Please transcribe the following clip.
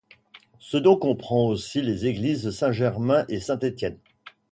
Ce don comprend aussi les églises Saint-Germain et Saint-Étienne.